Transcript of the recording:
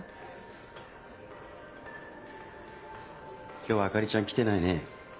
今日は朱里ちゃん来てないね。